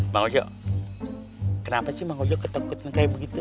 mang ojo kenapa sih mang ojo ketakutan kayak begitu